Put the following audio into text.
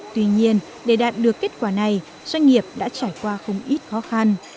tuy nhiên để đạt được kết quả này doanh nghiệp đã trải qua không ít khó khăn